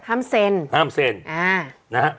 ห้ามเซ็น